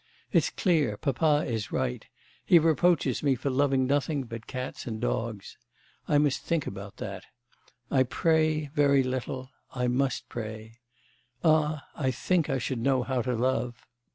It's clear, papa is right; he reproaches me for loving nothing but cats and dogs. I must think about that. I pray very little; I must pray.... Ah, I think I should know how to love!...